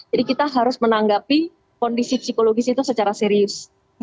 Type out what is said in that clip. jadi kita harus menanggapi kondisi psikologis itu secara serius